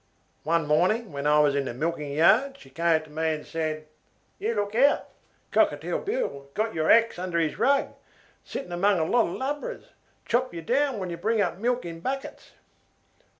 One morning, when I was in the milking yard, she came to me and said, 'You look out. Cockatoo Bill got your axe under his rug sitting among a lot of lubras. Chop you down when you bring up milk in buckets.'